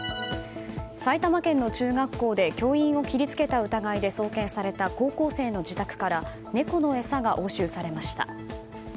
埼玉県の中学校で教員を切りつけた疑いで送検された、高校生の自宅から猫の餌が押収されました。